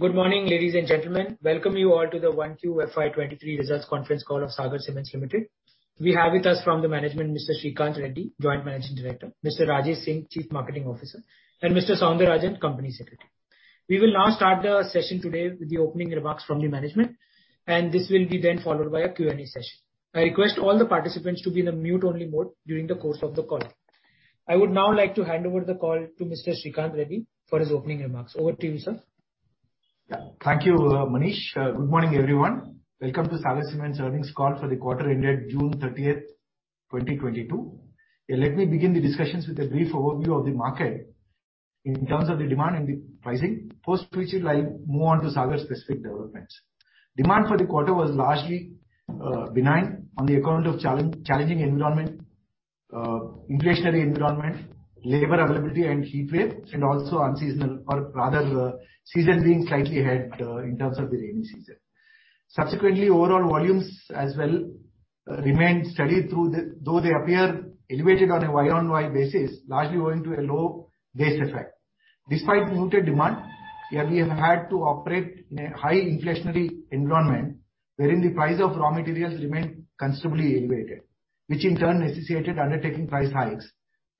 Good morning, ladies and gentlemen. Welcome you all to the Q1 FY23 results conference call of Sagar Cements Limited. We have with us from the management Mr. Sreekanth Reddy, Joint Managing Director, Mr. Rajesh Singh, Chief Marketing Officer, and Mr. Soundararajan, Company Secretary. We will now start the session today with the opening remarks from the management, and this will be then followed by a Q&A session. I request all the participants to be in the mute only mode during the course of the call. I would now like to hand over the call to Mr. Sreekanth Reddy for his opening remarks. Over to you, sir. Yeah. Thank you, Manish. Good morning, everyone. Welcome to Sagar Cements earnings call for the quarter ended June 30 2022. Let me begin the discussions with a brief overview of the market in terms of the demand and the pricing, post which I'll move on to Sagar specific developments. Demand for the quarter was largely benign on the account of challenging environment, inflationary environment, labor availability and heat wave, and also unseasonal or rather, season being slightly ahead in terms of the rainy season. Subsequently, overall volumes as well remained steady, though they appear elevated on a year-on-year basis, largely owing to a low base effect. Despite muted demand, here we have had to operate in a high inflationary environment wherein the price of raw materials remained considerably elevated, which in turn necessitated undertaking price hikes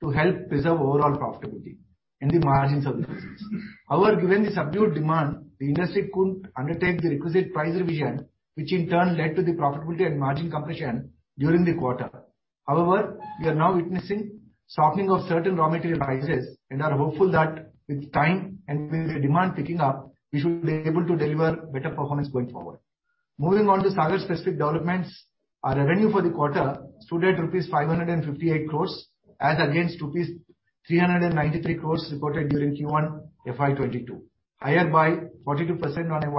to help preserve overall profitability in the margins of the business. However, given the subdued demand, the industry couldn't undertake the requisite price revision, which in turn led to the profitability and margin compression during the quarter. However, we are now witnessing softening of certain raw material prices and are hopeful that with time and with the demand picking up, we should be able to deliver better performance going forward. Moving on to Sagar’s specific developments, our revenue for the quarter stood at rupees 558 crore as against rupees 393 crore reported during Q1 FY22, higher by 42% on a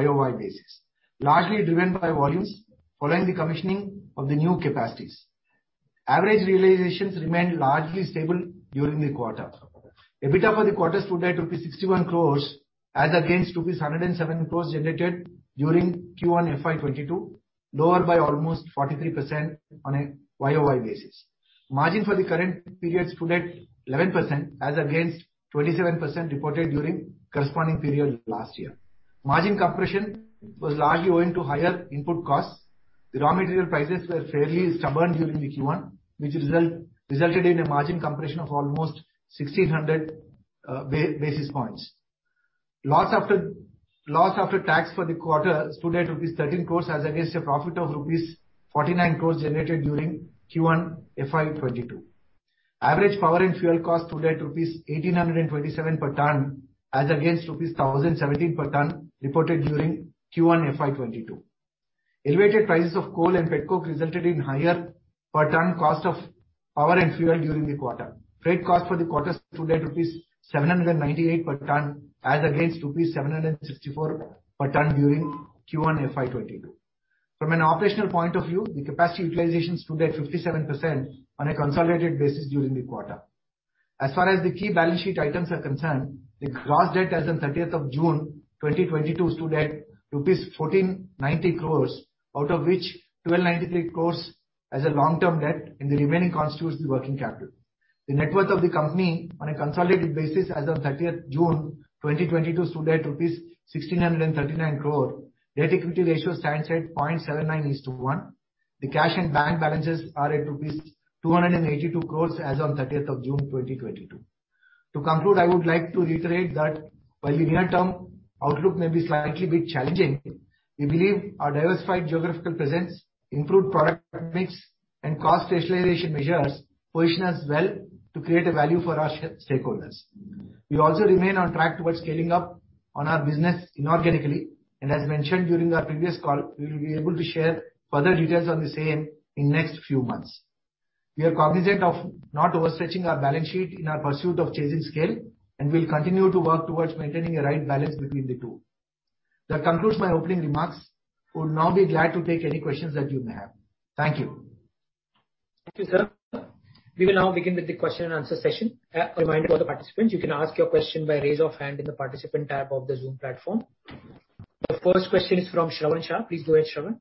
year-on-year basis, largely driven by volumes following the commissioning of the new capacities. Average realizations remained largely stable during the quarter. EBITDA for the quarter stood at rupees 61 crore as against rupees 107 crore generated during Q1 FY22, lower by almost 43% on a year-over-year basis. Margin for the current period stood at 11% as against 27% reported during corresponding period last year. Margin compression was largely owing to higher input costs. The raw material prices were fairly stubborn during the Q1, which resulted in a margin compression of almost 1,600 basis points. Loss after tax for the quarter stood at rupees 13 crores as against a profit of rupees 49 crores generated during Q1 FY22. Average power and fuel cost stood at rupees 1,827 per ton as against rupees 1,017 per ton reported during Q1 FY22. Elevated prices of coal and pet coke resulted in higher per ton cost of power and fuel during the quarter. Freight cost for the quarter stood at rupees 798 per ton as against rupees 764 per ton during Q1 FY22. From an operational point of view, the capacity utilization stood at 57% on a consolidated basis during the quarter. As far as the key balance sheet items are concerned, the gross debt as on thirtieth of June 2022 stood at rupees 1,490 crores, out of which 1,293 crores as a long-term debt, and the remaining constitutes the working capital. The net worth of the company on a consolidated basis as of thirtieth June 2022 stood at rupees 1,639 crores. Debt equity ratio stands at 0.79:1. The cash and bank balances are at rupees 282 crores as on thirtieth of June 2022. To conclude, I would like to reiterate that while the near-term outlook may be slightly bit challenging, we believe our diversified geographical presence, improved product mix, and cost rationalization measures position us well to create a value for our stakeholders. We also remain on track towards scaling up on our business inorganically. As mentioned during our previous call, we will be able to share further details on the same in next few months. We are cognizant of not overstretching our balance sheet in our pursuit of chasing scale, and we'll continue to work towards maintaining a right balance between the two. That concludes my opening remarks. Would now be glad to take any questions that you may have. Thank you. Thank you, sir. We will now begin with the question and answer session. A reminder to all the participants, you can ask your question by raise of hand in the participant tab of the Zoom platform. The first question is from Shravan Shah. Please go ahead, Shravan.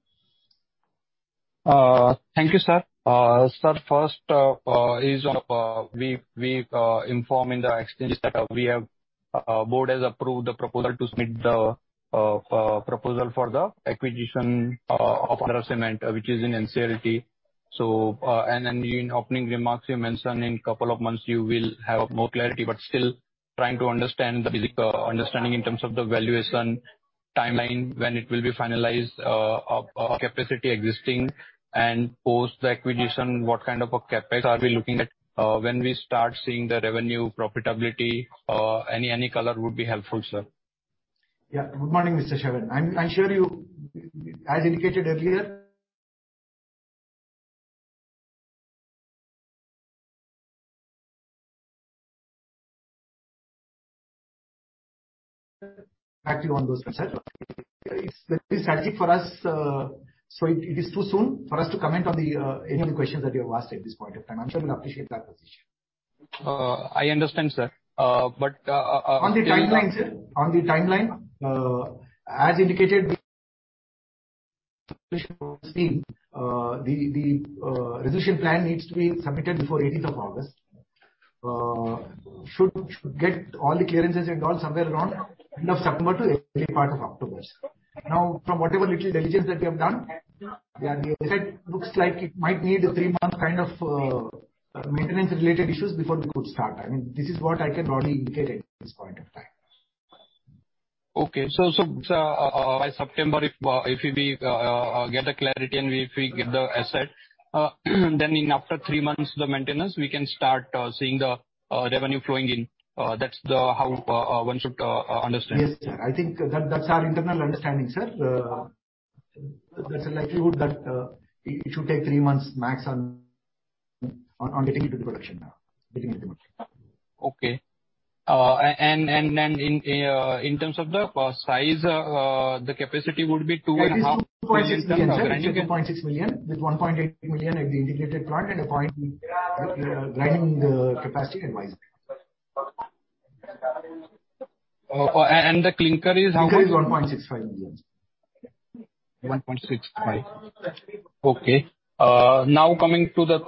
Thank you, sir. Sir, first question on, we informed the exchanges that the board has approved the proposal for the acquisition of Andhra Cements, which is in NCLT. In the opening remarks you mentioned in a couple of months you will have more clarity, but still trying to understand the basic understanding in terms of the valuation timeline, when it will be finalized, of the existing capacity, and post the acquisition, what kind of a CapEx are we looking at, when we start seeing the revenue profitability? Any color would be helpful, sir. Yeah. Good morning, Mr. Shravan. I'm sure you appreciate. As indicated earlier, actually on those it's very strategic for us, so it is too soon for us to comment on any of the questions that you have asked at this point of time. I'm sure you'll appreciate that position. I understand, sir. On the timeline, sir, as indicated before, the resolution plan needs to be submitted before eighteenth of August. Should get all the clearances and all somewhere around end of September to early part of October. Now, from whatever little diligence that we have done, the asset looks like it might need a three-month kind of maintenance-related issues before we could start. I mean, this is what I can broadly indicate at this point of time. By September, if we get the clarity and if we get the asset, then, after three months the maintenance, we can start seeing the revenue flowing in. That's how one should understand? Yes, sir. I think that's our internal understanding, sir. There's a likelihood that it should take three months max on getting into the production now. Okay. In terms of the size, the capacity would be 2.5 million ton- It is 2.6 million, sir. With 1.8 million at the integrated plant and 0.8 grinding capacity in Vizag. The clinker is how much? Clinker is 1.65 million. 1.65. Okay. Now coming to the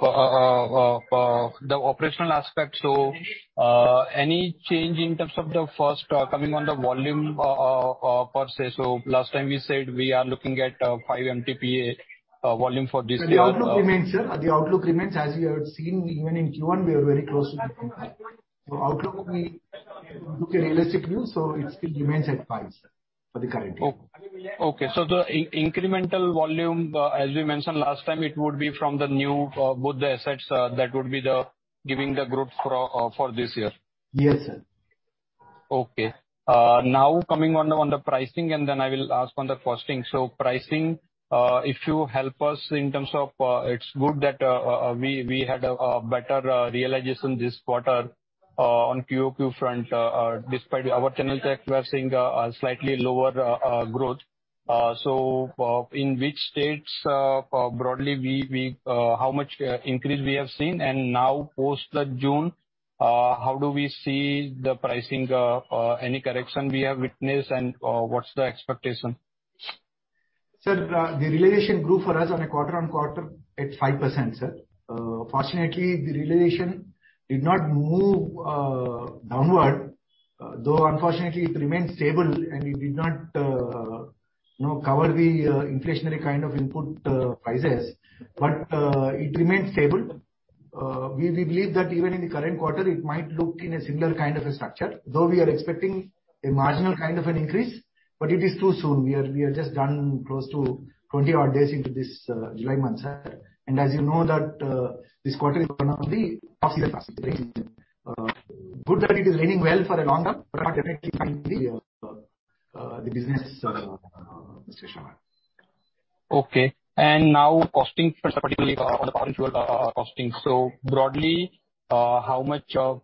operational aspect. Any change in terms of the forecast comment on the volume per se. Last time you said we are looking at five MTPA volume for this year. The outlook remains, sir. As you have seen even in Q1, we are very close to becoming that. Outlook we took a realistic view, so it still remains at five, sir, for the current year. Okay. The incremental volume, as you mentioned last time, it would be from the new both the assets, that would be the giving the group for this year. Yes, sir. Okay. Now coming on the pricing, and then I will ask on the costing. Pricing, if you help us in terms of, it's good that we had a better realization this quarter, on QoQ front, despite our channel check, we are seeing a slightly lower growth. In which states, broadly we how much increase we have seen? Now post the June, how do we see the pricing, any correction we have witnessed and, what's the expectation? Sir, the realization grew for us on a quarter-on-quarter basis at 5%, sir. Fortunately, the realization did not move downward, though unfortunately it remained stable and it did not, you know, cover the inflationary kind of input prices. It remained stable. We believe that even in the current quarter it might look in a similar kind of a structure. Though we are expecting a marginal kind of an increase, but it is too soon. We are just done close to 20-odd days into this July month, sir. As you know that this quarter is one of the off-season quarters. Good that it is raining well for longer, but affecting the business, especially. Okay. Now costing, specifically for the fuel costing. Broadly, how much cost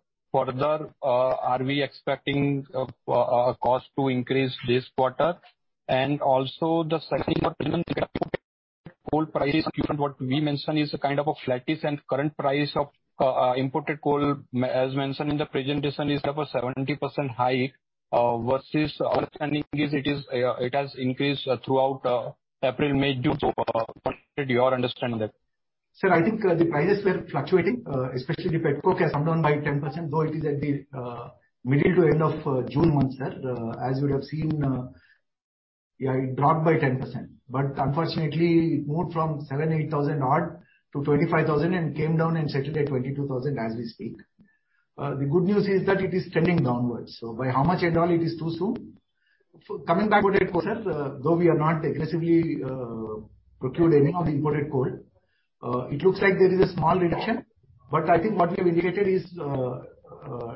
to increase this quarter? Also the second question, Mm-hmm. Coal prices, given what we mentioned is a kind of flattish and current price of imported coal, as mentioned in the presentation, is up 70% high, versus our understanding is it has increased throughout April, May due to. What is your understanding on that? Sir, I think the prices were fluctuating, especially the pet coke has come down by 10%, though it is at the, middle to end of, June month, sir. As you would have seen, it dropped by 10%. Unfortunately it moved from 7,000-8,000 odd to 25,000 and came down and settled at 22,000 as we speak. The good news is that it is trending downwards. By how much at all, it is too soon. Coming back to it, though, sir, though we have not aggressively, procured any of the imported coal, it looks like there is a small reduction, but I think what we have indicated is,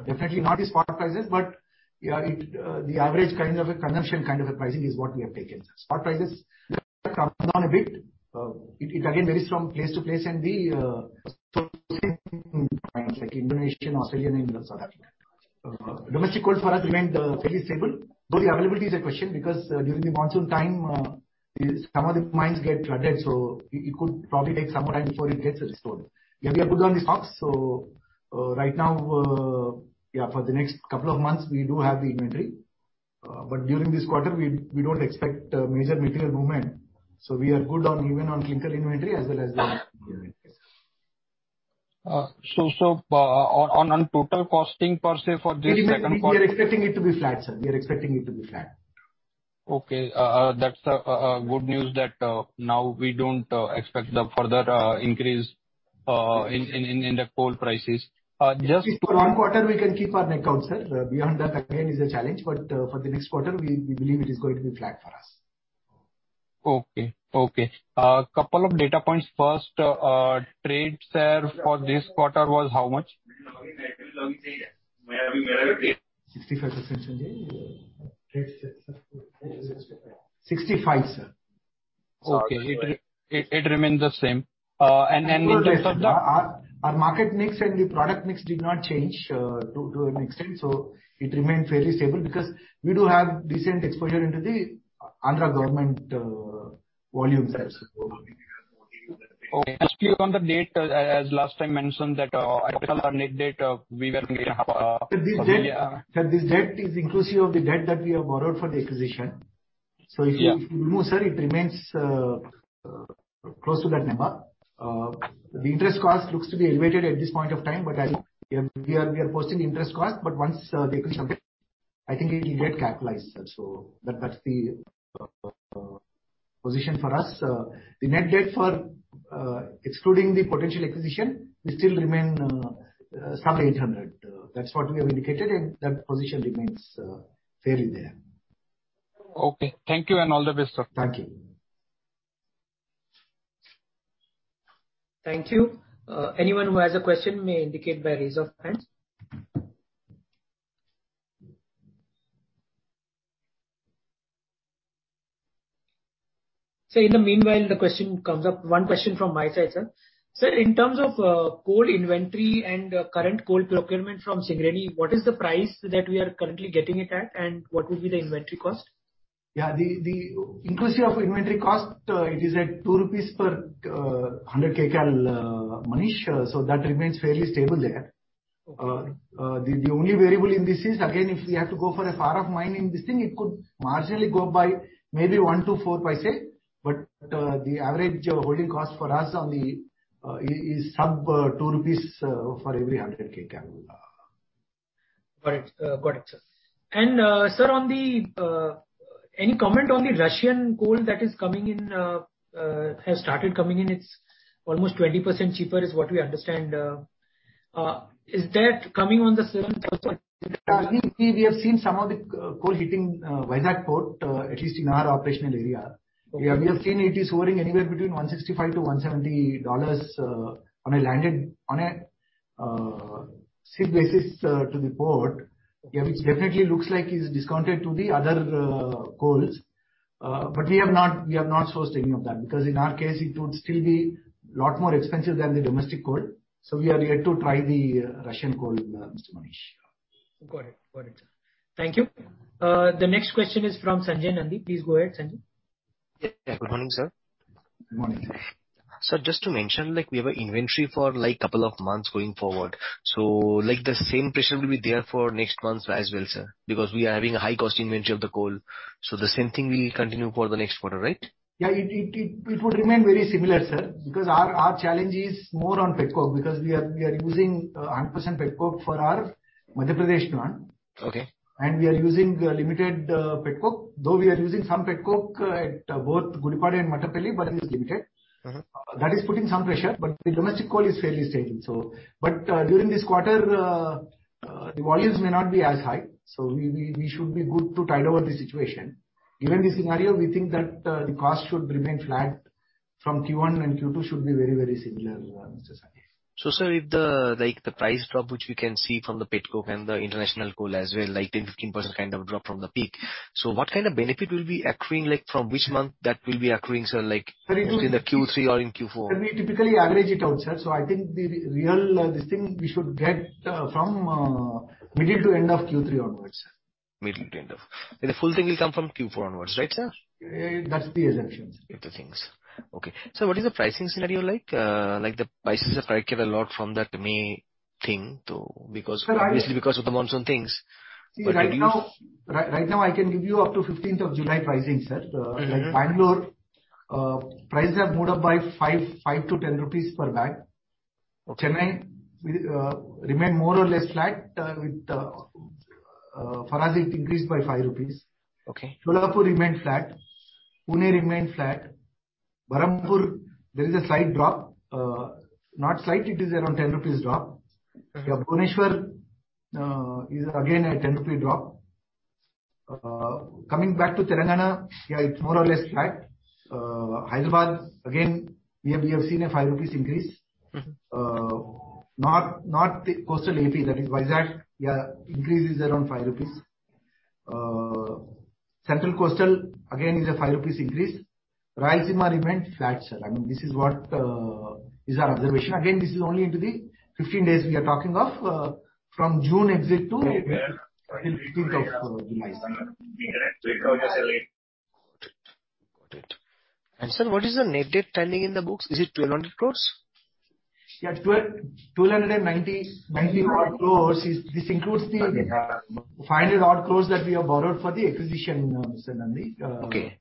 definitely not the spot prices, but, it, the average kind of a consumption kind of a pricing is what we have taken. Spot prices have come down a bit. It again varies from place to place and like Indonesia, Australia and South Africa. Domestic coal for us remained fairly stable, though the availability is a question because during the monsoon time some of the mines get flooded, so it could probably take some time before it gets restored. We are good on the stocks. Right now, for the next couple of months we do have the inventory. During this quarter we don't expect major material movement. We are good on even on clinker inventory as well as the inventory. On total costing per se for this second quarter? We are expecting it to be flat, sir. Okay. That's good news that now we don't expect the further increase in the coal prices. Just- At least for one quarter we can keep our neck out, sir. Beyond that again is a challenge, but for the next quarter, we believe it is going to be flat for us. Okay. Couple of data points. First, trade share for this quarter was how much? 65%, sir. 65%, sir. Okay. It remains the same. In terms of the- Our market mix and the product mix did not change to an extent, so it remained fairly stable because we do have decent exposure into the rural, government volume sales. Okay. Just click on the date, as last time mentioned that, I recall our net debt, we were maybe half. Sir, this debt, sir, is inclusive of the debt that we have borrowed for the acquisition. Yeah. If you remove, sir, it remains close to that number. The interest cost looks to be elevated at this point of time, but as we are posting interest cost. Once the acquisition is complete, I think it will get capitalized, sir. That's the position for us. The net debt excluding the potential acquisition, we still remain sub-INR 800. That's what we have indicated, and that position remains fairly there. Okay. Thank you and all the best, sir. Thank you. Thank you. Anyone who has a question may indicate by raise of hands. Sir, in the meanwhile, the question comes up. One question from my side, sir. Sir, in terms of, coal inventory and current coal procurement from Singareni, what is the price that we are currently getting it at, and what would be the inventory cost? Yeah. The inclusive of inventory cost, it is at 2 rupees per 100 kcal, Manish, so that remains fairly stable there. Okay. The only variable in this is, again, if we have to go for a far-off mining this thing, it could marginally go up by maybe 0.01-0.04. The average holding cost for us on the is sub 2 rupees for every 100 kcal. Got it, sir. Sir, any comment on the Russian coal that has started coming in. It's almost 20% cheaper is what we understand. Is that coming on the same terms or We have seen some of the coal hitting Vizag Port, at least in our operational area. Okay. We have seen it is hovering anywhere between INR 165-INR 170 on a landed CIF basis to the port. Okay. Which definitely looks like it's discounted to the other coals. We have not sourced any of that because in our case it would still be a lot more expensive than the domestic coal, so we are yet to try the Russian coal, Mr. Manish. Got it. Thank you. The next question is from Sanjay Nandi. Please go ahead, Sanjay. Yeah. Good morning, sir. Good morning. Sir, just to mention, like, we have an inventory for, like, couple of months going forward. Like the same pressure will be there for next months as well, sir, because we are having a high cost inventory of the coal. The same thing will continue for the next quarter, right? Yeah. It would remain very similar, sir, because our challenge is more on pet coke because we are using 100% pet coke for our Madhya Pradesh plant. Okay. We are using limited pet coke, though we are using some pet coke at both Gudipadu and Mattampally, but it is limited. Mm-hmm. That is putting some pressure, but the domestic coal is fairly stable. During this quarter, the volumes may not be as high, so we should be good to tide over the situation. Given this scenario, we think that the cost should remain flat from Q1, and Q2 should be very, very similar, Mr. Sanjay. Sir, if the, like, the price drop which we can see from the pet coke and the international coal as well, like 10%-15% kind of drop from the peak. What kind of benefit will be accruing, like from which month that will be accruing, sir? Sir, it will. between the Q3 or in Q4. Sir, we typically average it out, sir. I think the real this thing we should get from middle to end of Q3 onwards. The full thing will come from Q4 onwards, right, sir? That's the assumption, sir. Good things. Okay. Sir, what is the pricing scenario like? Like the prices have hiked up a lot from that May thing to, because- Sir, I will. Obviously because of the monsoon things. Can you See, right now I can give you up to 15th of July pricing, sir. Mm-hmm. Like Bangalore, prices have moved up by 5-10 rupees per bag. Okay. Chennai remain more or less flat, with Farrukhabad increased by 5 rupees. Okay. Sholapur remained flat. Pune remained flat. Berhampur, there is a slight drop. Not slight, it is around 10 rupees drop. Okay. Yeah. Bhubaneswar is again a 10 rupee drop. Coming back to Telangana, yeah, it's more or less flat. Hyderabad, again, we have seen a 5 rupees increase. Mm-hmm. North Coastal AP, that is Vizag, yeah, increase is around 5 rupees. Central Coastal again is a 5 rupees increase. Rayalaseema remains flat, sir. I mean, this is what is our observation. Again, this is only into the 15 days we are talking of, from June exit to 15th of July. Got it. Sir, what is the net debt standing in the books? Is it 200 crores? INT 291 crores. Yes, this includes the INR 500-odd crores that we have borrowed for the acquisition, Mr. Nandi. Okay.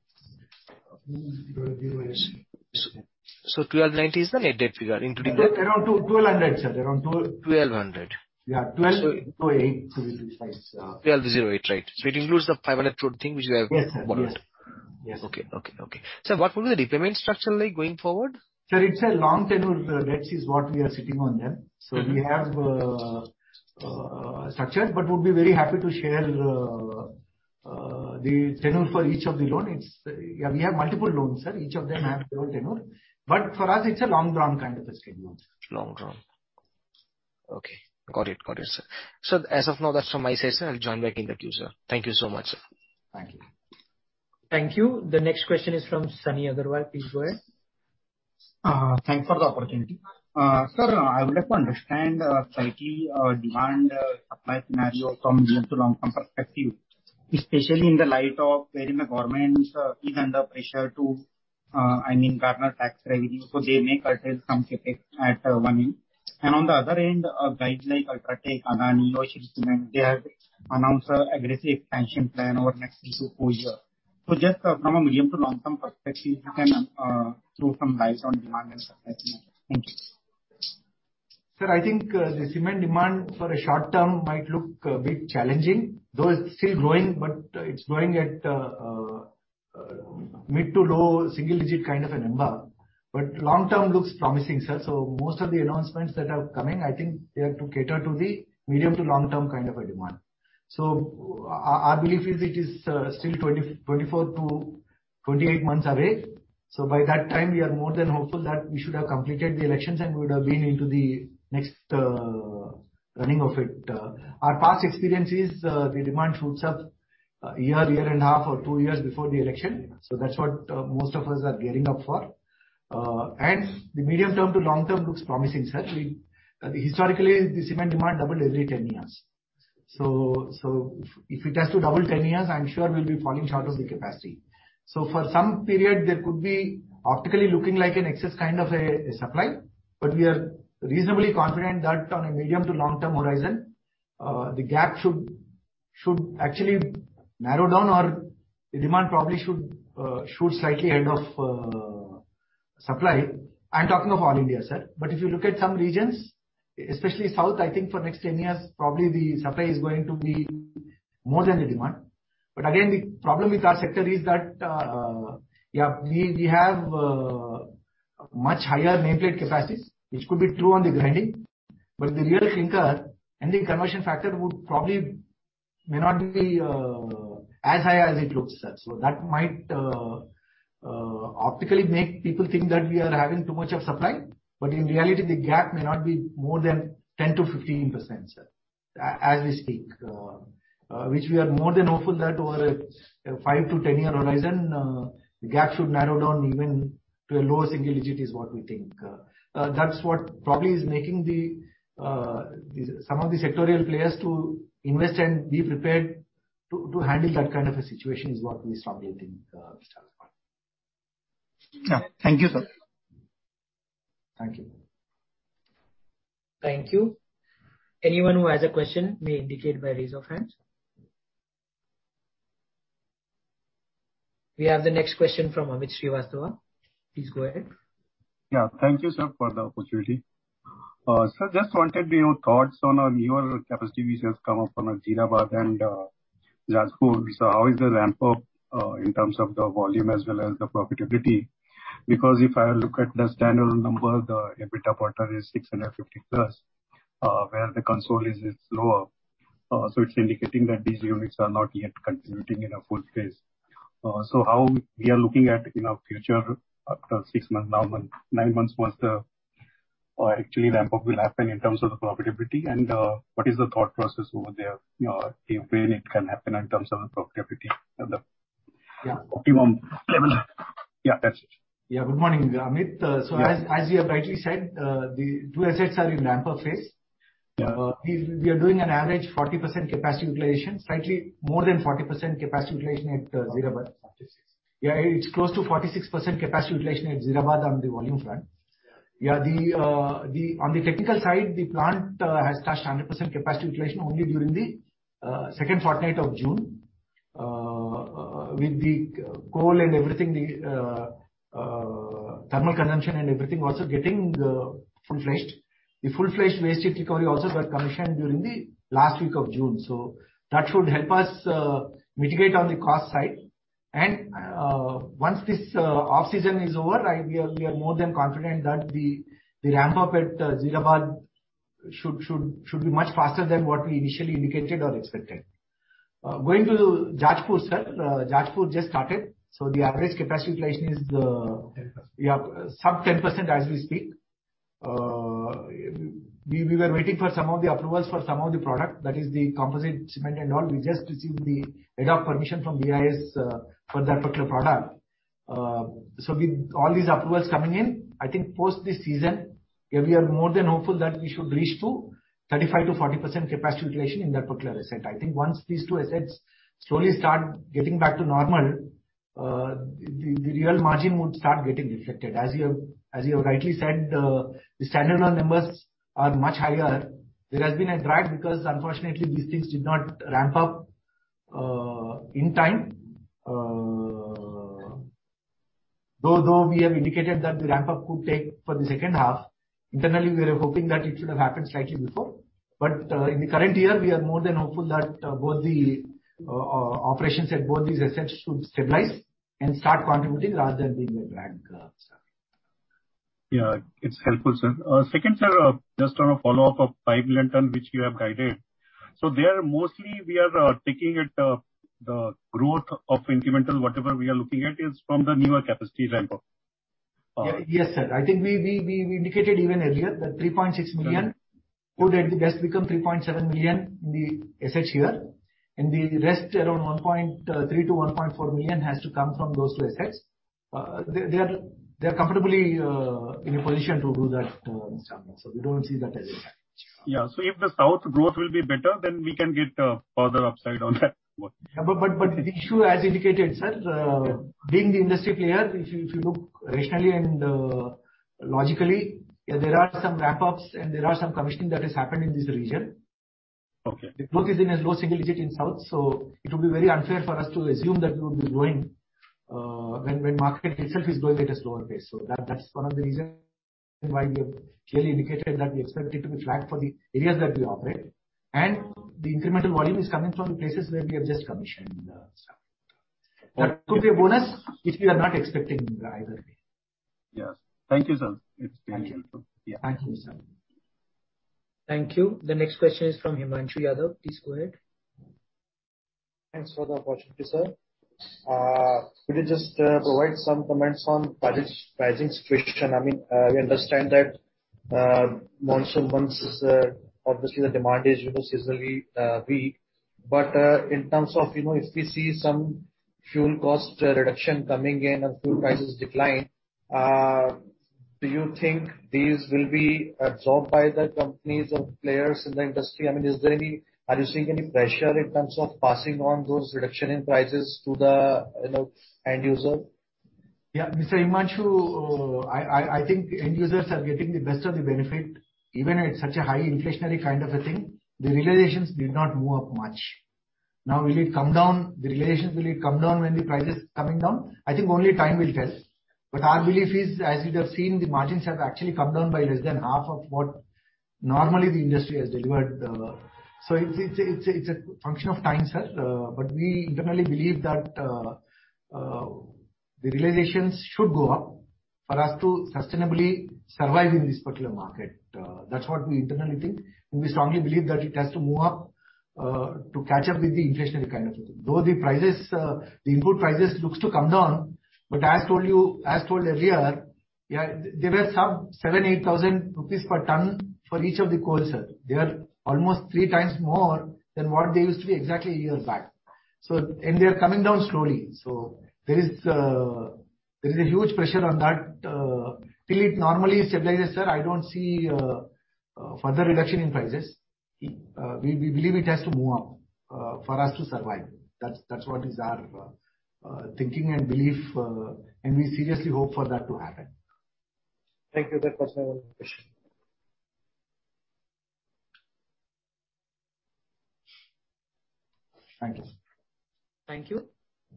1,290 is the net debt figure including the Around 2, 1,200, sir. 1,200. Yeah. 1,208 INR 1,208, right. It includes the 500 crores thing which you have borrowed. Yes, sir. Yes. Okay. Sir, what will be the repayment structure like going forward? Sir, it's a long tenure. Debts is what we are sitting on them. We have structures, but would be very happy to share the tenure for each of the loan. It's, yeah, we have multiple loans, sir. Each of them have their own tenure, but for us it's a long drawn kind of a schedule, sir. Long drawn. Okay. Got it, sir. As of now, that's from my side, sir. I'll join back in the queue, sir. Thank you so much, sir. Thank you. Thank you. The next question is from Sunny Agrawal. Please go ahead. Thanks for the opportunity. Sir, I would like to understand slightly demand supply scenario from near to long-term perspective. Especially in the light of wherein the government is under pressure to, I mean, garner tax revenue, so they may curtail some CapEx at one end. On the other end, guys like UltraTech, Adani or Shree Cement, they have announced an aggressive expansion plan over next two to four years. Just from a medium to long-term perspective, you can throw some light on demand and supply. Thank you. Sir, I think the cement demand for a short term might look a bit challenging, though it's still growing, but it's growing at mid to low single digit kind of a number. Long term looks promising, sir. Most of the announcements that are coming, I think they are to cater to the medium to long term kind of a demand. Our belief is it is still 24-28 months away. By that time we are more than hopeful that we should have completed the elections and would have been into the next running of it. Our past experience is the demand shoots up a year and a half or two years before the election. That's what most of us are gearing up for. The medium term to long term looks promising, sir. Historically, the cement demand doubled every 10 years. If it has to double 10 years, I'm sure we'll be falling short of the capacity. For some period there could be optically looking like an excess kind of a supply, but we are reasonably confident that on a medium to long term horizon, the gap should actually narrow down or the demand probably should shoot slightly ahead of supply. I'm talking of all India, sir. If you look at some regions, especially south, I think for next 10 years probably the supply is going to be more than the demand. Again, the problem with our sector is that, yeah, we have much higher nameplate capacities, which could be true on the grinding. The real thing and the conversion factor would probably not be as high as it looks, sir. That might optically make people think that we are having too much of supply. In reality, the gap may not be more than 10%-15%, sir, as we speak. Which we are more than hopeful that over a five to 10-year horizon, the gap should narrow down even to a lower single digit is what we think. That's what probably is making some of the sectoral players to invest and be prepared to handle that kind of a situation is what we strongly think. Yeah. Thank you, sir. Thank you. Thank you. Anyone who has a question may indicate by a raise of hands. We have the next question from Amit Srivastava. Please go ahead. Yeah. Thank you, sir, for the opportunity. Sir, just wanted to know your thoughts on our newer capacity which has come up on our Jeerabad and Jajpur. How is the ramp up in terms of the volume as well as the profitability? Because if I look at the standalone number, the EBITDA quarter is 650+, where the consolidated is, it's lower. It's indicating that these units are not yet contributing in a full phase. How we are looking at in our future after six months, nine months, what the actually ramp up will happen in terms of the profitability and what is the thought process over there? You know, if when it can happen in terms of the profitability at the. Yeah. optimum level. Yeah, that's it. Yeah. Good morning, Amit. Yeah. As you have rightly said, the two assets are in ramp-up phase. Yeah. We are doing an average 40% capacity utilization, slightly more than 40% capacity utilization at Jeerabad. It's close to 46% capacity utilization at Jeerabad on the volume front. The plant has touched 100% capacity utilization only during the second fortnight of June. With the coal and everything, the thermal consumption and everything also getting full-fledged. The full-fledged waste heat recovery also got commissioned during the last week of June. That should help us mitigate on the cost side. Once this off season is over, we are more than confident that the ramp up at Jeerabad should be much faster than what we initially indicated or expected. Going to Jajpur, sir. Jajpur just started, so the average capacity utilization is. 10%. Yeah. Sub-10% as we speak. We were waiting for some of the approvals for some of the product, that is the composite cement and all. We just received the ad hoc permission from BIS for that particular product. So all these approvals coming in, I think post this season, yeah, we are more than hopeful that we should reach to 35%-40% capacity utilization in that particular asset. I think once these two assets slowly start getting back to normal, the real margin would start getting reflected. As you have rightly said, the standalone numbers are much higher. There has been a drag because unfortunately these things did not ramp up in time. Though we have indicated that the ramp up could take for the second half, internally we were hoping that it should have happened slightly before. In the current year, we are more than hopeful that both the operations at both these assets should stabilize and start contributing rather than being a drag, sir. Yeah, it's helpful, sir. Second, sir, just on a follow-up of 5 million tons which you have guided. There mostly we are taking it, the growth of incremental, whatever we are looking at is from the newer capacity ramp up. Yes, sir. I think we indicated even earlier that 3.6 million- Right. Would at best become 3.7 million in the asset here, and the rest around 1.3-1.4 million has to come from those two assets. They are comfortably in a position to do that this time. We don't see that as a factor. Yeah. If the south growth will be better, then we can get further upside on that one. The issue as indicated, sir. Yeah. Being the industry player, if you look rationally and logically, yeah, there are some ramp-ups and there are some commissioning that has happened in this region. Okay. The growth is in a low single digit in South, so it would be very unfair for us to assume that we would be growing, when market itself is growing at a slower pace. That's one of the reason why we have clearly indicated that we expect it to be flat for the areas that we operate. The incremental volume is coming from the places where we have just commissioned, sir. That will be a bonus, which we are not expecting either way. Yes. Thank you, sir. It's been helpful. Thank you. Yeah. Thank you, sir. Thank you. The next question is from Himanshu Yadav. Please go ahead. Thanks for the opportunity, sir. Could you just provide some comments on price, pricing situation? I mean, we understand that monsoon months is obviously the demand is, you know, seasonally weak. In terms of, you know, if we see some fuel cost reduction coming in and fuel prices decline, do you think these will be absorbed by the companies or players in the industry? I mean, are you seeing any pressure in terms of passing on those reduction in prices to the end user? Yeah. Mr. Himanshu, I think end users are getting the best of the benefit. Even at such a high inflationary kind of a thing, the realizations did not move up much. Now, will it come down? The realizations, will it come down when the prices coming down? I think only time will tell. Our belief is, as you have seen, the margins have actually come down by less than half of what normally the industry has delivered. So it's a function of time, sir. We internally believe that the realizations should go up for us to sustainably survive in this particular market. That's what we internally think. We strongly believe that it has to move up to catch up with the inflationary kind of a thing. Though the prices, the input prices looks to come down, but as told earlier, there were some 7,000-8,000 rupees per ton for each of the coals, sir. They are almost 3x more than what they used to be exactly a year back. They are coming down slowly. There is a huge pressure on that. Till it normally stabilizes, sir, I don't see further reduction in prices. We believe it has to move up for us to survive. That's what is our thinking and belief, and we seriously hope for that to happen. Thank you. That was my only question. Thank you. Thank you.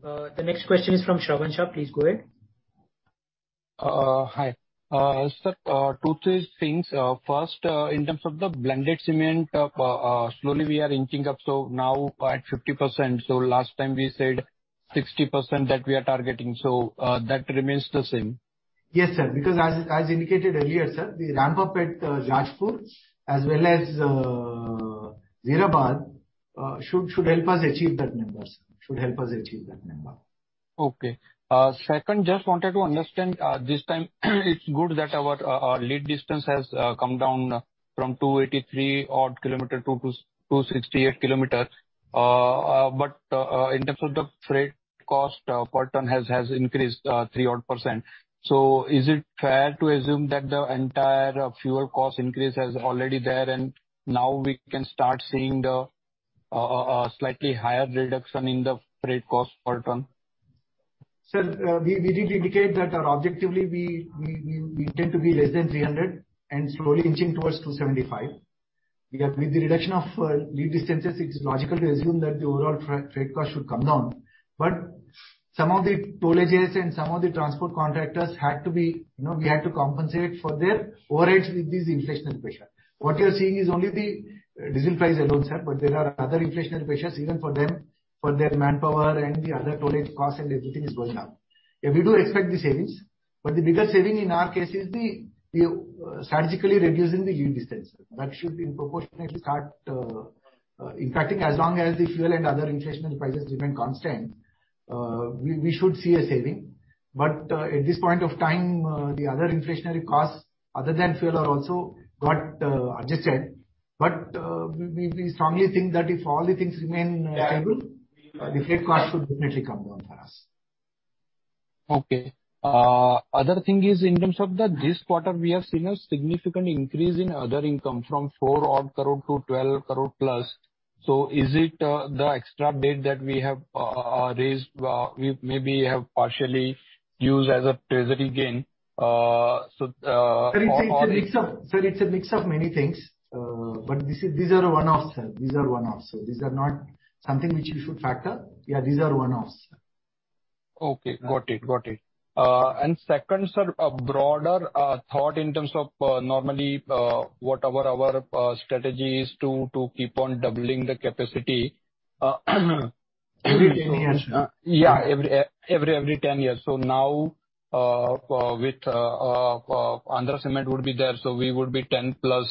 The next question is from Shravan Shah. Please go ahead. Hi. Sir, two, three things. First, in terms of the blended cement, slowly we are inching up. Now at 50%. Last time we said 60% that we are targeting. That remains the same. Yes, sir. Because as indicated earlier, sir, the ramp up at Jajpur as well as Hyderabad should help us achieve that number, sir. Should help us achieve that number. Okay. Second, just wanted to understand, this time it's good that our lead distance has come down from 283 odd kilometer to 268 kilometer. But in terms of the freight cost per ton has increased 3% odd. Is it fair to assume that the entire fuel cost increase is already there and now we can start seeing the slightly higher reduction in the freight cost per ton? Sir, we did indicate that, objectively we tend to be less than 300 and slowly inching towards 275. Yeah. With the reduction of lead distances, it's logical to assume that the overall freight cost should come down. But some of the tollages and some of the transport contractors had to be, you know, we had to compensate for their overage with this inflationary pressure. What you're seeing is only the diesel price alone, sir. But there are other inflationary pressures even for them, for their manpower and the other tolling costs and everything is going up. Yeah, we do expect the savings, but the bigger saving in our case is the strategically reducing the lead distance. That should disproportionately start impacting. As long as the fuel and other inflationary prices remain constant, we should see a saving. At this point of time, the other inflationary costs other than fuel are also got adjusted. We strongly think that if all the things remain stable, the freight cost should definitely come down for us. Okay. Other thing is in terms of this quarter, we have seen a significant increase in other income from 4 odd crore to 12+ crores. Is it the extra debt that we have raised, we maybe have partially used as a treasury gain? Sir, it's a mix of many things. This is, these are one-offs, sir. These are not something which you should factor. Yeah, these are one-offs, sir. Okay. Got it. Second, sir, a broader thought in terms of normally what our strategy is to keep on doubling the capacity. Every 10 years. Yeah. Every 10 years. Now with Andhra Cements would be there, so we would be 10 plus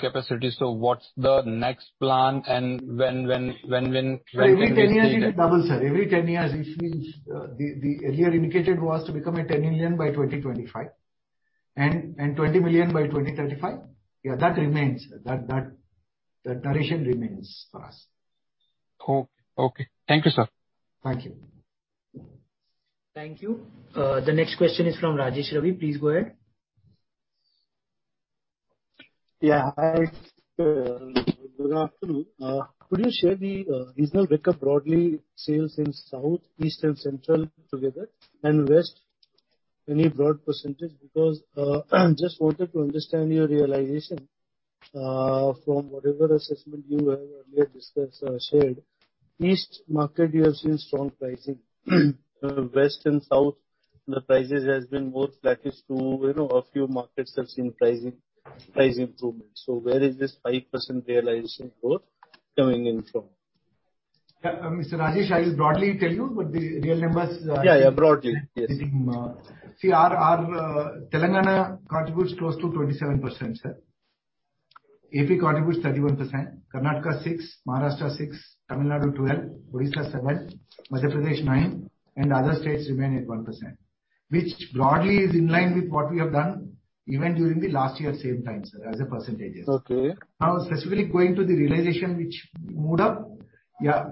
capacity. What's the next plan and when Every 10 years it will double, sir. Every 10 years it means, the earlier indicator was to become a 10 million by 2025 and 20 million by 2035. Yeah, that remains. That duration remains for us. Oh, okay. Thank you, sir. Thank you. Thank you. The next question is from Rajesh Ravi. Please go ahead. Yeah, hi. Good afternoon. Could you share the regional breakup broadly, sales in South, East and Central together and West, any broad percentage? Because just wanted to understand your realization from whatever assessment you have earlier discussed or shared. East market, you have seen strong pricing. West and South, the prices has been more flattish to, you know, a few markets have seen pricing, price improvement. Where is this 5% realization growth coming in from? Mr. Rajesh, I will broadly tell you, but the real numbers. Yeah, yeah, broadly. Yes. Telangana contributes close to 27%, sir. AP contributes 31%, Karnataka 6%, Maharashtra 6%, Tamil Nadu 12%, Odisha 7%, Madhya Pradesh 9%, and other states remain at 1%. Which broadly is in line with what we have done even during the last year same time, sir, as percentages. Okay. Now, specifically going to the realization which moved up. Yeah,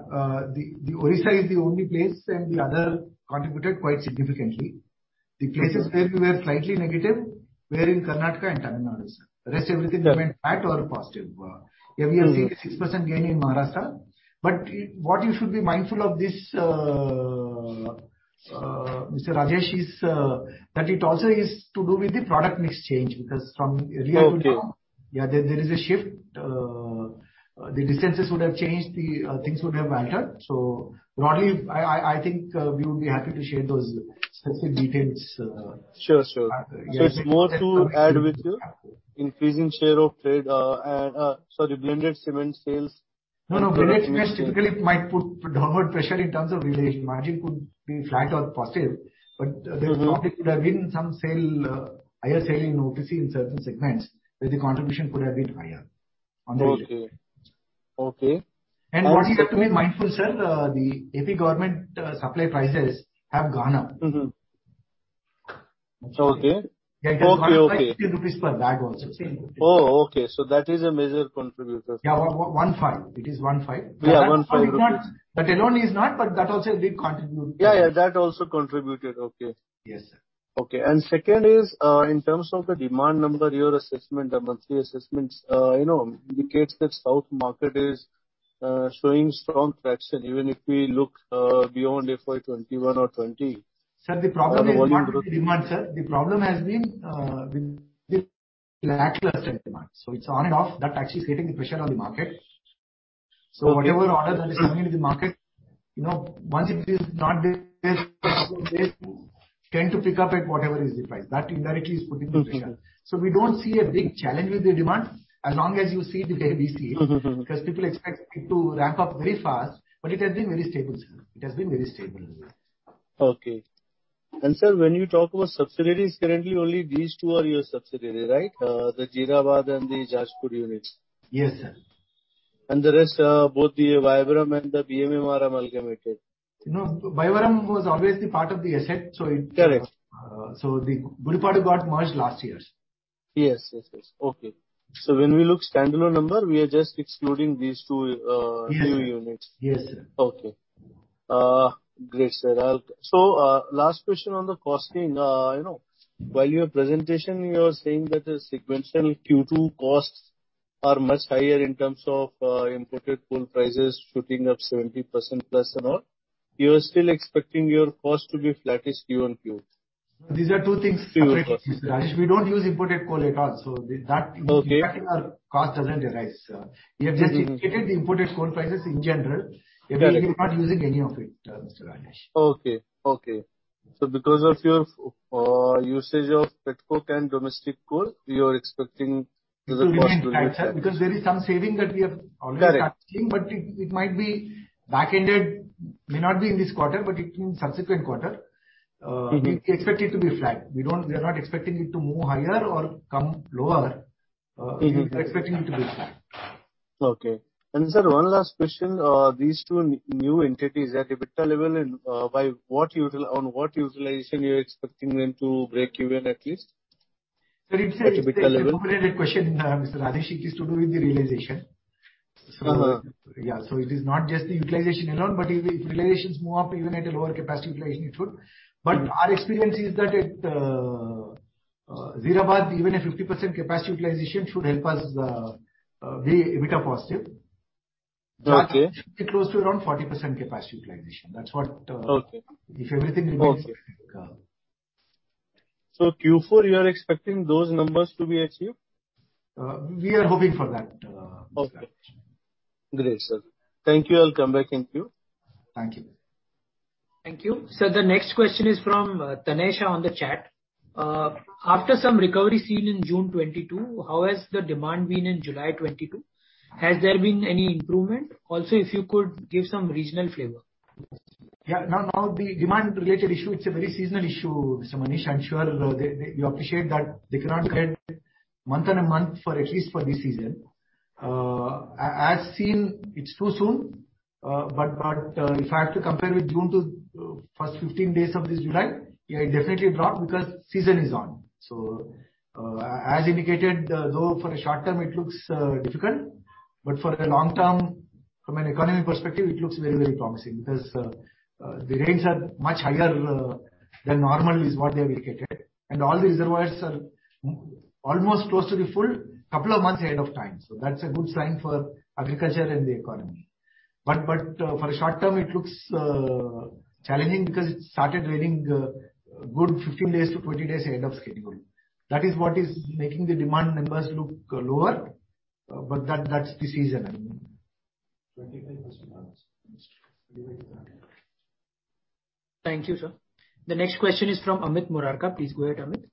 the Odisha is the only place, and the other contributed quite significantly. Mm-hmm. The places where we were slightly negative were in Karnataka and Tamil Nadu, sir. The rest everything. Yeah. remained flat or positive. Yeah. Mm-hmm. We have seen a 6% gain in Maharashtra. What you should be mindful of is this, Mr. Rajesh, that it also has to do with the product mix change. From a year to now. Okay. Yeah. There is a shift. The distances would have changed, the things would have altered. Broadly, I think we would be happy to share those specific details. Sure, sure. Yeah. It's more to add with your increasing share of trade, and, sorry, blended cement sales. No, no. Blended cement typically might put downward pressure in terms of realization. Margin could be flat or positive. There is a possibility there have been some sales, higher sales in OPC in certain segments where the contribution could have been higher on that issue. Okay. Okay. What you have to be mindful, sir, the AP government, supply prices have gone up. Okay. Yeah. Okay, okay. It has gone up by INR 50 per bag also, sir. Oh, okay. That is a major contributor. Yeah. 15. It is 15. Yeah. 15. That alone is not, but that also a big contributor. Yeah, yeah. That also contributed. Okay. Yes, sir. Okay. Second is, in terms of the demand number, your assessment, the monthly assessments, you know, indicates that South market is showing strong traction. Even if we look beyond FY 2021 or 2020. Sir, the problem is. Uh, volume grow- Not demand, sir. The problem has been with the lackluster demand. It's on and off. That actually is creating the pressure on the market. Okay. Whatever order that is coming into the market, you know, once it is not there, tend to pick up at whatever is the price. That indirectly is putting the pressure. Mm-hmm. We don't see a big challenge with the demand as long as you see the ABC. Mm-hmm. Because people expect it to ramp up very fast. It has been very stable, sir. It has been very stable. Mm-hmm. Okay. Sir, when you talk about subsidiaries, currently only these two are your subsidiaries, right? The Jeerabad and the Jashpur units. Yes, sir. and the BMM Ispat amalgamated. No. Vyavaram was always the part of the asset. Correct. The Bayyavaram got merged last year. Yes. Okay. When we look at standalone numbers, we are just excluding these two new units. Yes, sir. Okay. Great, sir. Last question on the costing. You know, while your presentation, you are saying that the sequential Q2 costs are much higher in terms of imported coal prices shooting up 70% plus and all, you are still expecting your cost to be flattish QoQ? These are two things. Two separate things. Rajesh. We don't use imported coal at all. Okay. That, you know, cost doesn't arise. Mm-hmm. We have just indicated the imported coal prices in general. Got it. We're not using any of it, Mr. Rajesh. Because of your usage of pet coke and domestic coal, you are expecting the cost to be flat. It will remain flat, sir, because there is some saving that we have already started seeing. Correct. It might be backended. May not be in this quarter, but in subsequent quarter. Mm-hmm. We expect it to be flat. We are not expecting it to move higher or come lower. Mm-hmm. We're expecting it to be flat. Okay. Sir, one last question. These two new entities at EBITDA level and, on what utilization you're expecting them to break even, at least? Sir, it's a- At EBITDA level. It's an overrated question, Mr. Rajesh. It is to do with the realization. Uh-uh. It is not just the utilization alone, but if the utilizations move up even at a lower capacity utilization, it should. Mm-hmm. Our experience is that at Jeerabad, even 50% capacity utilization should help us be EBITDA positive. Okay. I think it should be close to around 40% capacity utilization. That's what, Okay. If everything remains flat. Q4, you are expecting those numbers to be achieved? We are hoping for that, Mr. Rajesh. Okay. Great, sir. Thank you. I'll come back in queue. Thank you. Thank you. Sir, the next question is from Tanisha on the chat. After some recovery seen in June 2022, how has the demand been in July 2022? Has there been any improvement? Also, if you could give some regional flavor. Yeah. No, no. The demand related issue, it's a very seasonal issue, Mr. Manish. I'm sure you appreciate that they cannot compare month on a month for this season. As seen, it's too soon. But if I have to compare with June to the first 15 days of this July, yeah, it definitely dropped because season is on. As indicated, though for the short term it looks difficult, but for the long term from an economy perspective, it looks very, very promising because the rains are much higher than normal is what they have indicated. All the reservoirs are almost close to full a couple of months ahead of time. That's a good sign for agriculture and the economy. For the short term it looks challenging because it started raining a good 15-20 days ahead of schedule. That is what is making the demand numbers look lower. That's the season. 25%. Thank you, sir. The next question is from Amit Murarka. Please go ahead, Amit.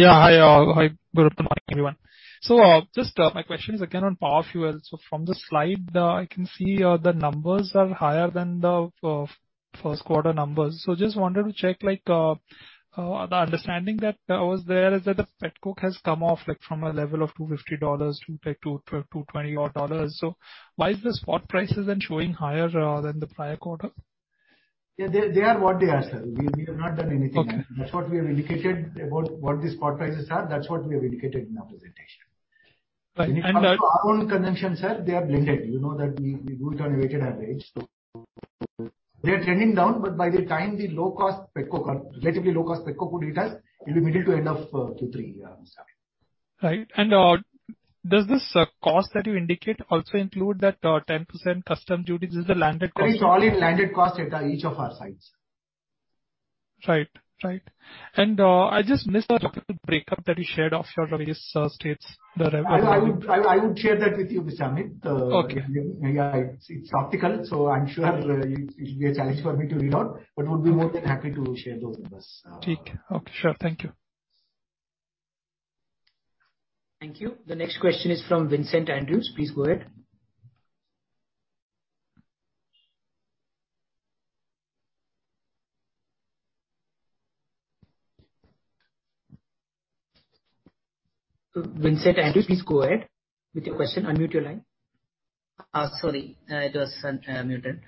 Yeah. Hi, hi, good morning, everyone. Just, my question is again on power fuels. From the slide, I can see, the numbers are higher than the first quarter numbers. Just wanted to check like, the understanding that was there is that the pet coke has come off like from a level of INR 250 to like INR 220-odd. Why is the spot prices then showing higher, than the prior quarter? Yeah, they are what they are, sir. We have not done anything. Okay. That's what we have indicated about what the spot prices are. That's what we have indicated in our presentation. Right. Our own consumption, sir, they are blended. You know that we do it on a weighted average. They are trending down, but by the time the low cost pet coke, relatively low cost pet coke would hit us in the middle to end of Q3. Right. Does this cost that you indicate also include that, 10% customs duty? This is the landed cost. It's all in landed cost at each of our sites. Right. I just missed the topical breakup that you shared of your various states, the revenue. I would share that with you, Mr. Amit. Okay. Yeah, it's topical, so I'm sure it should be a challenge for me to read out, but would be more than happy to share those numbers. Theek. Okay. Sure. Thank you. Thank you. The next question is from Vincent Andrews. Please go ahead. Vincent Andrews, please go ahead with your question. Unmute your line. Sorry, it was muted.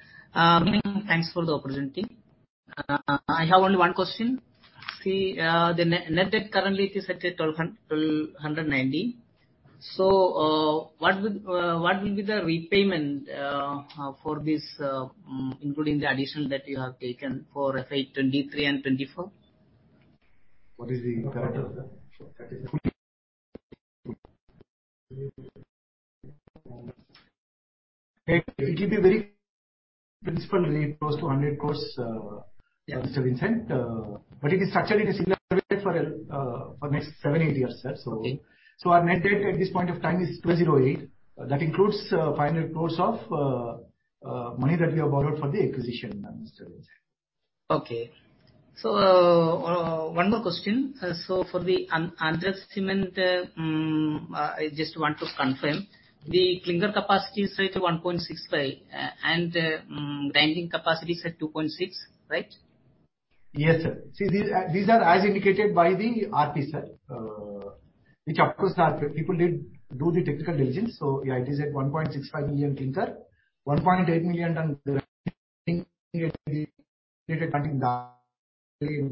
Thanks for the opportunity. I have only one question. See, the net debt currently is at 1,290. What will be the repayment for this, including the addition that you have taken for FY 2023 and 2024? What is the EBIT? It will be very principally close to 100 crore. Yeah. Mr. Vincent Andrews. It is structured in a similar way for next seven to eight years, sir. Our net debt at this point of time is 208 crores. That includes INR 500 crores of money that we have borrowed for the acquisition, Mr. Vincent Andrews. One more question. For the Andhra Cements, I just want to confirm. The clinker capacity is 1.65, right, and grinding capacity is at 2.6, right? Yes, sir. See, these are as indicated by the RP, sir. Which of course our people did do the technical diligence. Yeah, it is at 1.65 million clinker, 1.8 million ton Okay.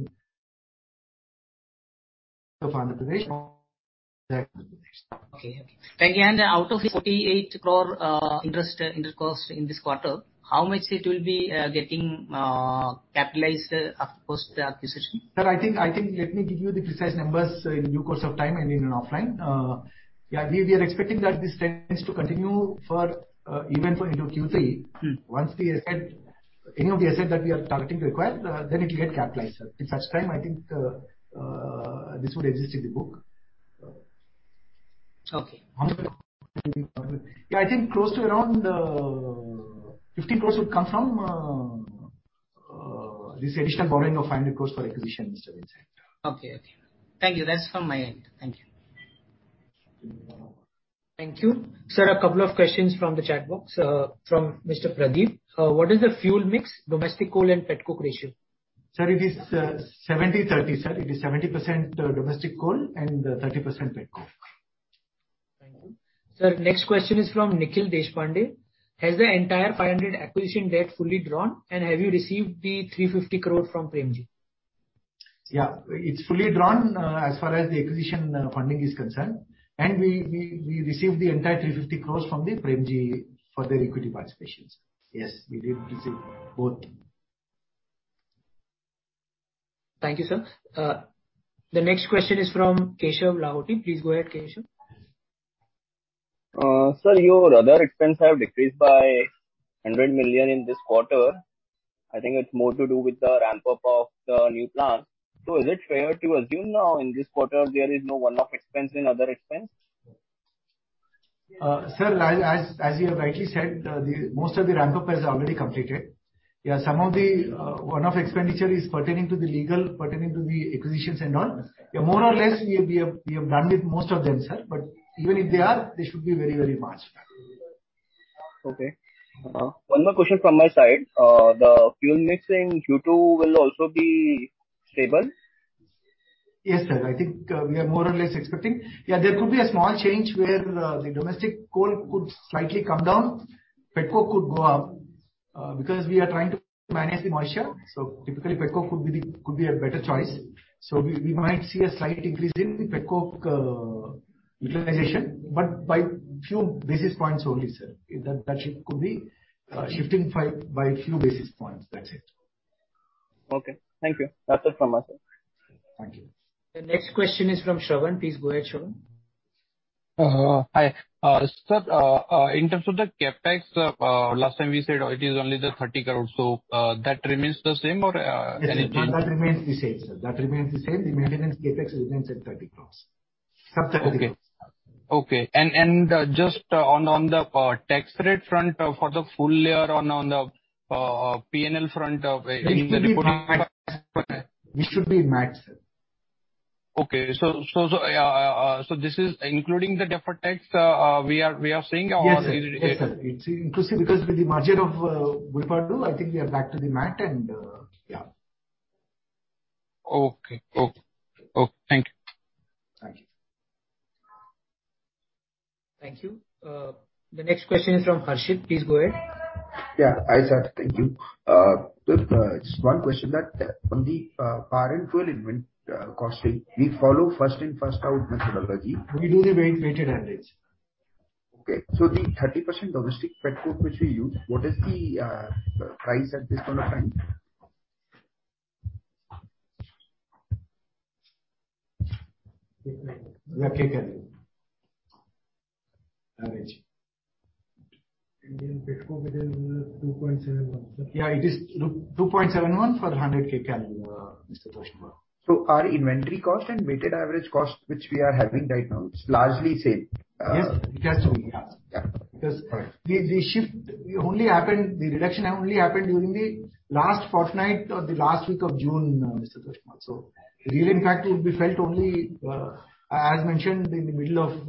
Thank you. Out of 48 crore, interest and other costs in this quarter, how much it will be getting capitalized for the acquisition? Sir, I think let me give you the precise numbers in due course of time and even offline. Yeah, we are expecting that this tends to continue for even into Q3. Mm. Once any of the assets that we are targeting to acquire, then it'll get capitalized. At such time, I think, this would exist in the book. Okay. Yeah, I think close to around 50 crores would come from this additional borrowing of 500 crores for acquisition, Mr. Vincent. Okay. Thank you. That's from my end. Thank you. Thank you. Sir, a couple of questions from the chat box, from Mr. Pradeep. What is the fuel mix, domestic coal and pet coke ratio? Sir, it is 70/30, sir. It is 70% domestic coal and 30% pet coke. Thank you. Sir, next question is from Nikhil Deshpande. Has the entire 500 acquisition debt fully drawn, and have you received the 350 crore from Premji? Yeah. It's fully drawn as far as the acquisition funding is concerned. We received the entire 350 crores from the Premji for their equity participation, sir. Yes, we did receive both. Thank you, sir. The next question is from Keshav Lahoti. Please go ahead, Keshav. Sir, your other expense have decreased by 100 million in this quarter. I think it's more to do with the ramp up of the new plant. Is it fair to assume now in this quarter there is no one-off expense in other expense? Sir, as you have rightly said, the most of the ramp up has already completed. Yeah, some of the one-off expenditure is pertaining to the legal, pertaining to the acquisitions and all. Yeah, more or less, we have done with most of them, sir. Even if they are, they should be very, very much. Okay. One more question from my side. The fuel mix in Q2 will also be stable? Yes, sir. I think we are more or less expecting. There could be a small change where the domestic coal could slightly come down. Petcoke could go up because we are trying to manage the moisture. So typically, petcoke could be a better choice. We might see a slight increase in the petcoke utilization, but by few basis points only, sir. That shift could be by a few basis points, that's it. Okay. Thank you. That's it from us, sir. Thank you. The next question is from Shravan. Please go ahead, Shravan. Hi, sir, in terms of the CapEx, last time we said it is only 30 crore. That remains the same or anything? Yes, sir. That remains the same, sir. The maintenance CapEx remains at 30 crores. Sub INR 30 crores. Okay. Just on the tax rate front, for the full year on the P&L front, in the report. We should be in Mattampally, sir. Okay. This is including the deferred tax, we are seeing or- Yes, sir. Yes, sir. It's inclusive because with the margin of, I think we are back to the MAT and, yeah. Okay. Thank you. Thank you. Thank you. The next question is from Harshit. Please go ahead. Yeah. Hi, sir. Thank you. Just one question on the foreign fuel inventory costing. We follow first in, first out methodology. We do the weighted average. Okay. The 30% domestic petcoke which we use, what is the price at this point of time? lakh kcal average. Indian petcoke it is, INR 2.71, sir. Yeah, it is 2.71 for the 100 kcal, Mr. Harshit. Our inventory cost and weighted average cost which we are having right now, it's largely same. Yes. It has to be, yeah. Yeah. All right. Because the reduction only happened during the last fortnight or the last week of June, Mr. Harshit. The real impact will be felt only, as mentioned in the middle of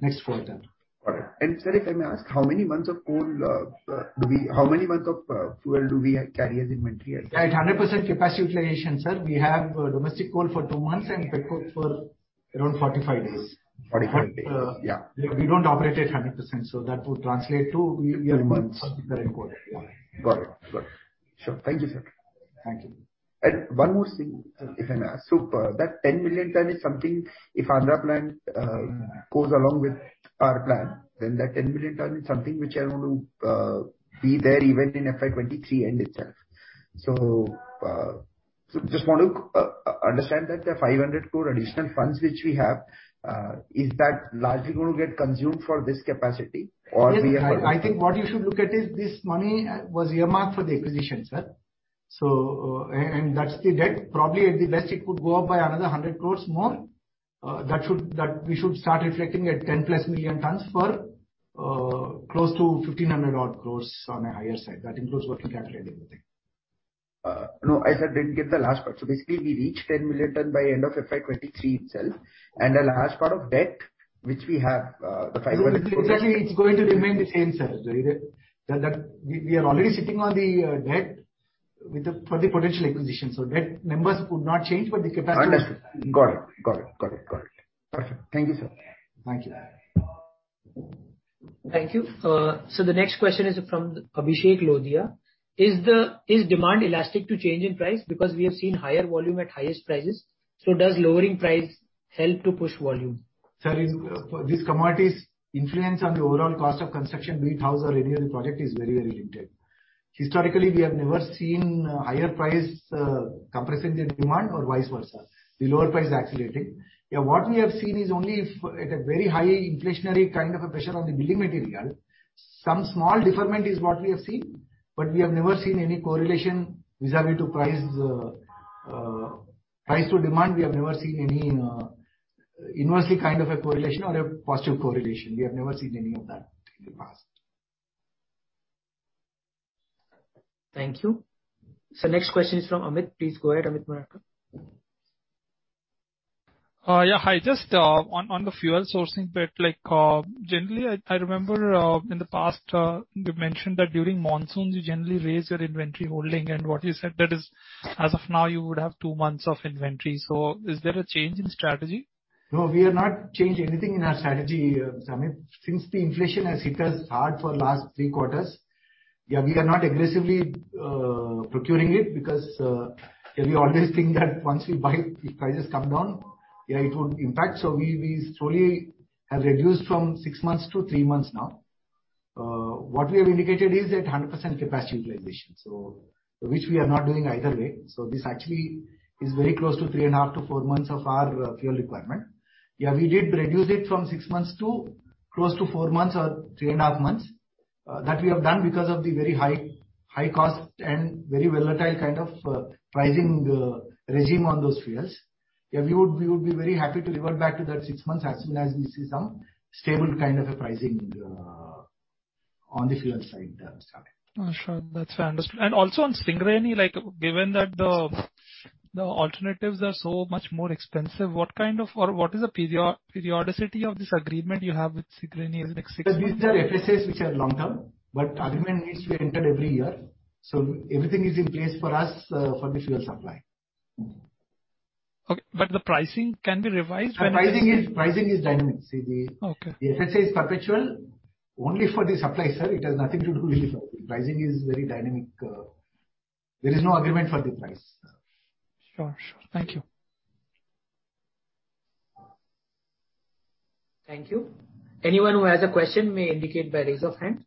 next quarter. All right. Sir, if I may ask, how many months of fuel do we carry as inventory at present? At 100% capacity utilization, sir, we have domestic coal for 2 months and petcoke for around 45 days. 45 days. But, uh- Yeah. We don't operate at 100%, so that would translate to we have. Three months. Sufficient coal. Yeah. Got it. Sure. Thank you, sir. Thank you. One more thing, if I may ask. That 10 million ton is something if Andhra plant goes along with our plan, then that 10 million ton is something which are going to be there even in FY23 end itself. Just want to understand that the 500 crores additional funds which we have, is that largely gonna get consumed for this capacity or we have? Yes. I think what you should look at is this money was earmarked for the acquisition, sir. That's the debt. Probably at best it could go up by another 100 crores. That we should start reflecting at 10+ million tons for close to 1,500 odd crores on a higher side. That includes working capital and everything. No. I, sir, didn't get the last part. Basically we reach 10 million tons by end of FY 2023 itself. The last part of debt which we have, the 500 crores- Exactly. It's going to remain the same, sir. We are already sitting on the debt for the potential acquisition. Debt numbers would not change, but the capacity. Understood. Got it. Perfect. Thank you, sir. Thank you. Thank you. The next question is from Abhishek Lodha. Is demand elastic to change in price? Because we have seen higher volume at highest prices. Does lowering price help to push volume? Sir, these commodities' influence on the overall cost of construction, be it house or any other project, is very, very limited. Historically, we have never seen higher price compressing the demand or vice versa, the lower price accelerating. Yeah, what we have seen is only if at a very high inflationary kind of a pressure on the building material, some small deferment is what we have seen. We have never seen any correlation vis-à-vis to price to demand. We have never seen any inversely kind of a correlation or a positive correlation. We have never seen any of that in the past. Thank you. Next question is from Amit Murarka. Please go ahead, Amit Murarka. Yeah. Hi. Just on the fuel sourcing bit, like, generally I remember in the past you mentioned that during monsoons you generally raise your inventory holding, and what you said that is as of now you would have two months of inventory. Is there a change in strategy? No, we have not changed anything in our strategy, Amit. Since the inflation has hit us hard for last three quarters, we are not aggressively procuring it because we always think that once we buy, if prices come down, it would impact. We slowly have reduced from six months to three months now. What we have indicated is at 100% capacity utilization. Which we are not doing either way. This actually is very close to three and a half to four months of our fuel requirement. We did reduce it from six months to close to four months or three and a half months. That we have done because of the very high cost and very volatile kind of pricing regime on those fuels. Yeah, we would be very happy to revert back to that six months as soon as we see some stable kind of a pricing on the fuel side, Amit. Oh, sure. That's understood. Also on Singareni, like, given that the alternatives are so much more expensive, what kind of or what is the period, periodicity of this agreement you have with Singareni? Is it like six years? These are FSAs which are long-term, but agreement needs to be entered every year. Everything is in place for us, for the fuel supply. Okay. The pricing can be revised when. Pricing is dynamic. Okay. The FSA is perpetual only for the supply, sir. It has nothing to do with the pricing. Pricing is very dynamic. There is no agreement for the price. Sure. Sure. Thank you. Thank you. Anyone who has a question may indicate by raise of hand.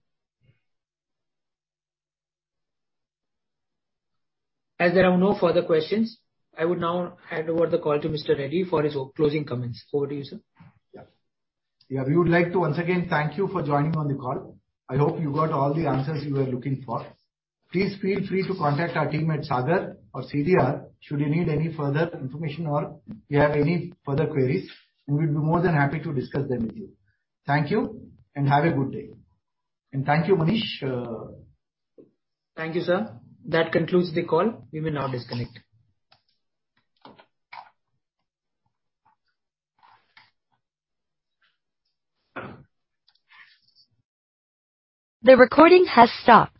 As there are no further questions, I would now hand over the call to Mr. Srikanth Reddy for his closing comments. Over to you, sir. Yeah. Yeah. We would like to once again thank you for joining on the call. I hope you got all the answers you were looking for. Please feel free to contact our team at Sagar or CDR should you need any further information or you have any further queries, and we'll be more than happy to discuss them with you. Thank you, and have a good day. Thank you, Manish. Thank you, sir. That concludes the call. We will now disconnect. The recording has stopped.